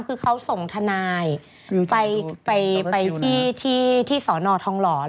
คือเขาส่งทนายไปที่ศทรล้อ